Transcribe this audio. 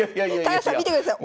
高橋さん見てください！